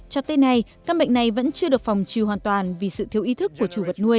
cho tới nay căn bệnh này vẫn chưa được phòng trừ hoàn toàn vì sự thiếu ý thức của chủ vật nuôi